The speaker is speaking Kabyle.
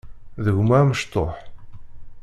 D gma amecṭuḥ.